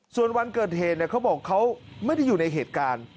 ส่วนวันเกิดเหตุเขาบอกเขาไม่ได้อยู่ในเหตุการณ์